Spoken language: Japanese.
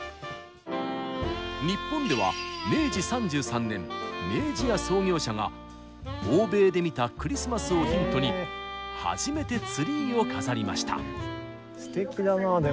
日本では明治３３年明治屋創業者が欧米で見たクリスマスをヒントに初めてツリーを飾りました。